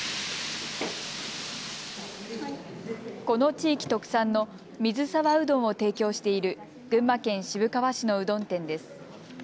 この地域特産の水沢うどんを提供している群馬県渋川市のうどん店です。